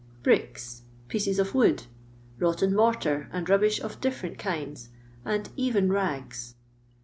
bricks; pieces of wood; rotten mortar and rub bish of different kinds; and even rags.